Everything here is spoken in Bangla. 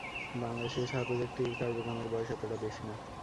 বাংলাদেশে এ সাবজেক্টটির কার্যক্রমের বয়স এতটা বেশি না।